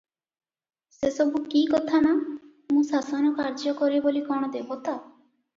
ସେ ସବୁ କିକଥା ମା, ମୁଁ ଶାସନ କାର୍ଯ୍ୟ କରେ ବୋଲି କଣ ଦେବତା!